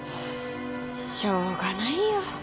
しょうがないよ。